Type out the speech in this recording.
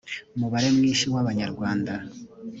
mubare mwinshi w abanyarwanda